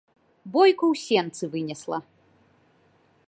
Бойку ў сенцы вынесла.